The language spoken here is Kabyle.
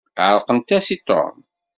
Ɛeṛqent-as i Tom.